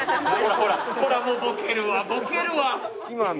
ほらもうボケるわボケるわ。